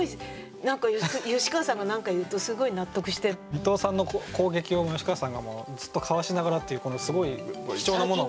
伊藤さんの攻撃を吉川さんがもうずっとかわしながらっていうこのすごい貴重なものを。